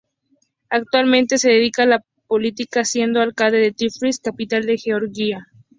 Actualmente se dedica a la política, siendo alcalde de Tiflis, capital de Georgia.